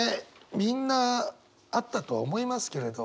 みんなあったとは思いますけれど。